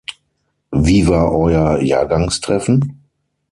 Wie war euer Jahrgangstreffen?